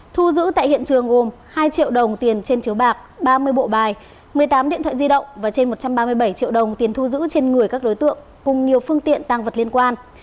thu giữ tại hiện trường gồm hai triệu đồng tiền trên chiếu bạc ba mươi bộ bài một mươi tám điện thoại di động và trên một trăm ba mươi bảy triệu đồng tiền thu giữ trên người các đối tượng cùng nhiều phương tiện tăng vật liên quan